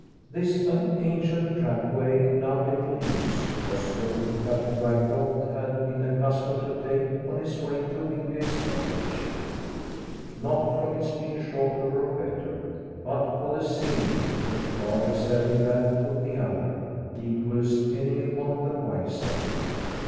This, an ancient trackway now little used, was the route Captain Ryecroft had been accustomed to take on his way to Wingate's cottage, not from its being shorter or better, but for the scenery, which far excelling that of the other, equals any upon the Wyeside.